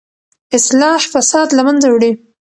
اصلاح فساد له منځه وړي.